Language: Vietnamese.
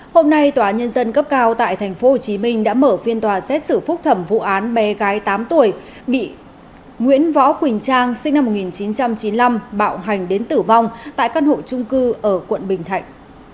hôm nay tòa nhân dân cấp cao tại tp hcm đã mở phiên tòa xét xử phúc thẩm vụ án bé gái tám tuổi bị nguyễn võ quỳnh trang sinh năm một nghìn chín trăm chín mươi năm bạo hành đến tử vong tại căn hộ trung cư ở quận bình thạnh